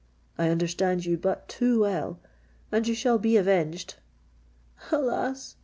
"I understand you but too well—and you shall be avenged!" "Alas!